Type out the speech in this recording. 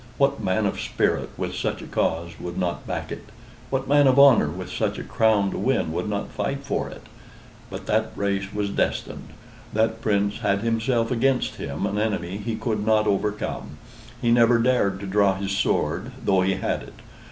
What man of spirit with such a cause would not back it? What man of honor with such a crown to win would not fight for it? But that race was destined. That Prince had himself against him, an enemy he could not overcome. He never dared to draw his sword, though he had it.